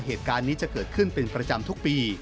เหตุการณ์นี้จะเกิดขึ้นเป็นประจำทุกปี